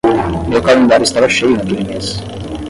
Meu calendário estava cheio naquele mês.